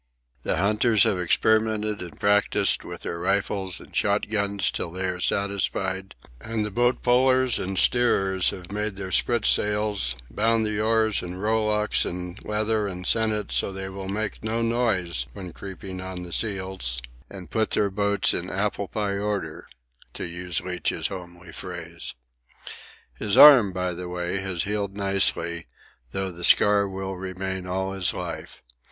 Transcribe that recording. The hunters have experimented and practised with their rifles and shotguns till they are satisfied, and the boat pullers and steerers have made their spritsails, bound the oars and rowlocks in leather and sennit so that they will make no noise when creeping on the seals, and put their boats in apple pie order—to use Leach's homely phrase. His arm, by the way, has healed nicely, though the scar will remain all his life.